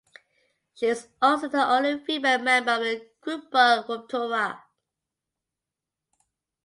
She is also the only female member of Grupo Ruptura.